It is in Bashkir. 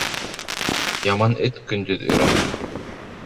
Яман эт көндөҙ өрә.